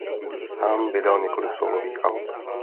Sám vydal několik sólových alb.